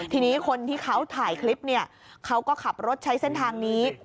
ทีนี้คนที่เขาถ่ายคลิปเนี่ยเขาก็ขับรถใช้เส้นทางนี้